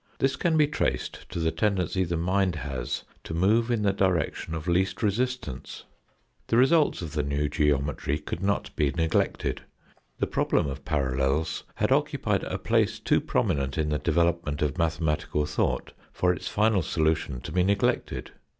This can be traced to the tendency the mind has to move in the direction of least resistance. The results of the new geometry could not be neglected, the problem of parallels had occupied a place too prominent in the development of mathematical thought for its final solution to be neglected.